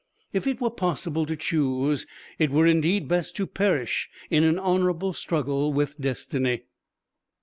If it were possible to choose, it were indeed best to perish in an honorable struggle with destiny.